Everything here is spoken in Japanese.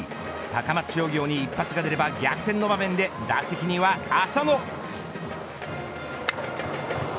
高松商業に一発が出れば逆転の場面で打席には浅野。